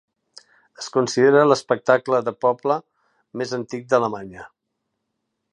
Es considera l'espectacle de poble més antic d'Alemanya.